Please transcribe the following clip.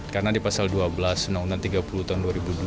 karena di pasal dua belas tahunan tiga puluh tahun dua ribu dua